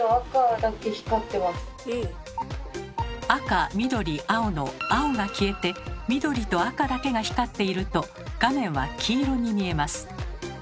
赤緑青の青が消えて緑と赤だけが光っていると画面は黄色に見えます。